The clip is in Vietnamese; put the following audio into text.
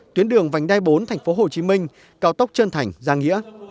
tuyến đường vành đai bốn tp hcm cao tốc trân thành giang nghĩa